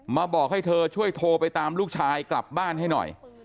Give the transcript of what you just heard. บอกให้เธอช่วยโทรไปตามลูกชายกลับบ้านให้หน่อย